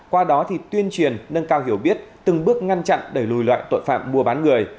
qua đó tuyên truyền nâng cao hiểu biết từng bước ngăn chặn đẩy lùi loại tội phạm mua bán người